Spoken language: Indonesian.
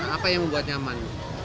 apa yang membuat nyaman